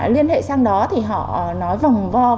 liên hệ sang đó thì họ nói vòng vòng